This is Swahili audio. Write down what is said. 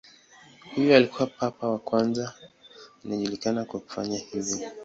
Huyu alikuwa papa wa kwanza anayejulikana kwa kufanya hivyo.